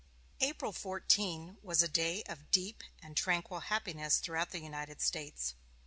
April 14 was a day of deep and tranquil happiness throughout the United States.